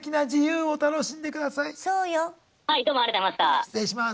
失礼します。